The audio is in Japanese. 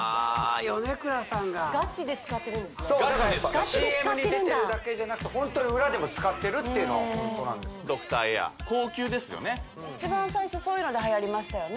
米倉さんがガチで使ってるＣＭに出てるだけでなくてホントに裏でも使ってるっていうのはホントなんですドクターエア高級ですよね一番最初そういうのではやりましたよね